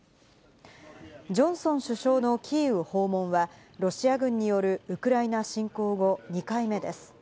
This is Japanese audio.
ジョンソン首相のキーウ訪問は、ロシア軍によるウクライナ侵攻後、２回目です。